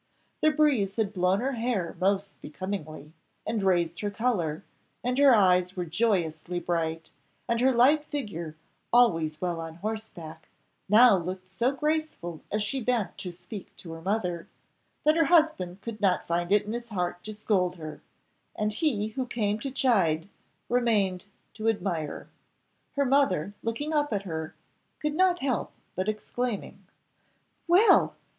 The breeze had blown her hair most becomingly, and raised her colour, and her eyes were joyously bright, and her light figure, always well on horseback, now looked so graceful as she bent to speak to her mother, that her husband could not find it in his heart to scold her, and he who came to chide remained to admire. Her mother, looking up at her, could not help exclaiming, "Well!